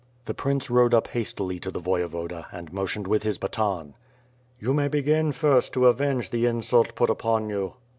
The prince rode up hastily to the Voyevoda and motioned with his baton. "You may begin first to avenge the insult put upon you."